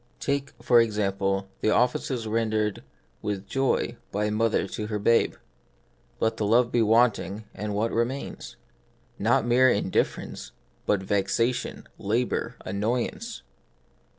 Take, for example, the offices rendered with joy by a mother to her babe : let the love be wanting, and what remains ? Not mere indif ference, but vexation, labour, annoyance.